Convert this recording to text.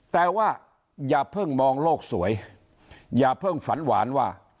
แต่ว่าอย่าเพิ่งมองโลกสวยอย่าเพิ่งฝันหวานว่า